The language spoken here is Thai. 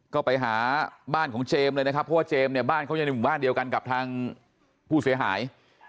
ก็ไปหาบ้านของเจมส์เลยนะครับเค้ายังมีบ้านเดียวกันกับทางผู้เสียหาย